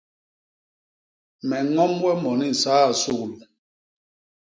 Me ñom we moni nsaa u suglu.